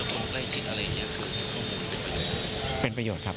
ก็มีเงินข้อมูลหรือเป็นเป็นอะไร